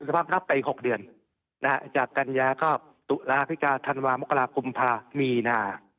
คุณสภาพครับไปอีก๖เดือนจากกัญญาตุลาพิการธันวาคมมีนา